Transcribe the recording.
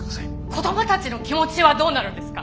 子供たちの気持ちはどうなるんですか？